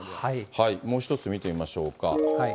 もう一つ見てみましょうか。